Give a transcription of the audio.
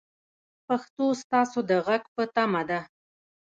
پښتو ستاسو د غږ په تمه ده.